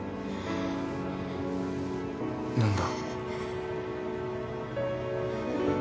何だ？